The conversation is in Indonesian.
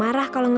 aku akan menangis